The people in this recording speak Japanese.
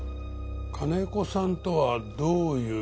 金子さんとはどういう？